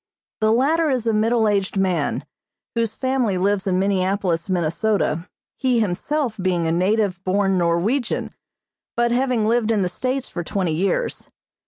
The latter is a middle aged man, whose family lives in Minneapolis, Minnesota, he himself being a native born Norwegian, but having lived in the States for twenty years.